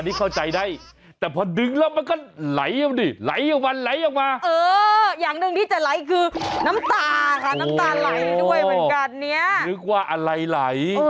๒ตัวอย่างนี้หรอคะ